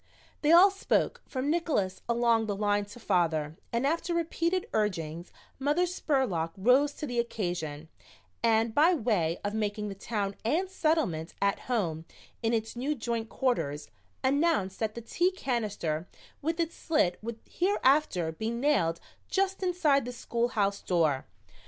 They all spoke, from Nickols along the line to father, and after repeated urgings Mother Spurlock rose to the occasion, and by way of making the Town and Settlement at home in its new joint quarters announced that the tea canister with its slit would hereafter be nailed just inside the schoolhouse door.